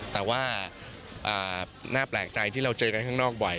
แต่ว่าน่าแปลกใจที่เราเจอกันข้างนอกบ่อย